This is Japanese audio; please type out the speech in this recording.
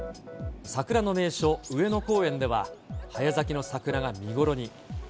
桜の名所、上野公園では、早咲きの桜が見頃に。